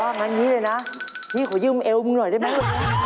อย่าว่างั้นนี้เลยนะพี่ขอยืมเอวมึงหน่อยได้ไหม